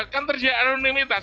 kan terjadi anonimitas